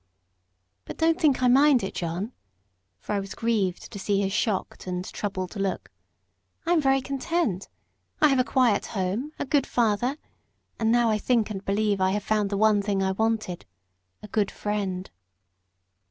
"But don't think I mind it; John;" for I was grieved to see his shocked and troubled look. "I am very content; I have a quiet home, a good father, and now I think and believe I have found the one thing I wanted a good friend."